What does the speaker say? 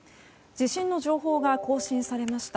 地震の情報が更新されました。